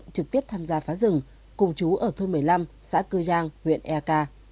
công an huyện ek đã được tham gia phá rừng cùng chú ở thôn một mươi năm xã cư giang huyện ek